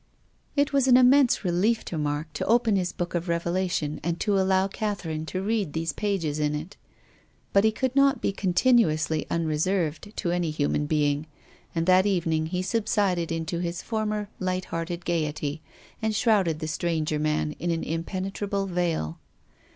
It was an immense relief to Mark to open his book of revelation and to allow Catherine to read these pages in it. But he could not be contin uously unreserved to any human being. And that evening he subsided into his former light hearted gaiety, and shrouded the stranger man in an impenetrable veil.